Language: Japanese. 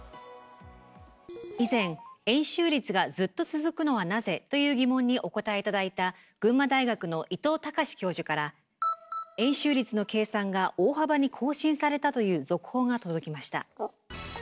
以前「円周率がずっと続くのはなぜ？」という疑問にお答え頂いた群馬大学の伊藤隆教授から「円周率の計算が大幅に更新された」という続報が届きました。